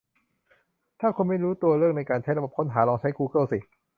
ถ้าคุณไม่รู้ตัวเลือกในการใช้ระบบค้นหา ลองใช้กูเกิ้ลสิ